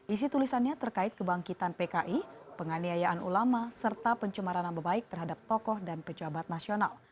isi tulisannya terkait kebangkitan pki penganiayaan ulama serta pencemaran nama baik terhadap tokoh dan pejabat nasional